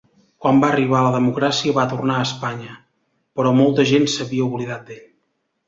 Quan va arribar la democràcia va tornar a Espanya, però molta gent s'havia oblidat d'ell.